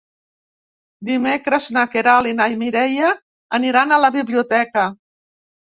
Dimecres na Queralt i na Mireia aniran a la biblioteca.